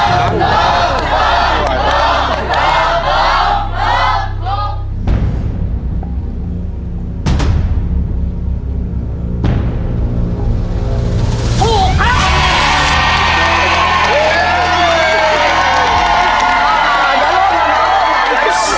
ถูกครับ